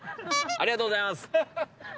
ありがとうございます。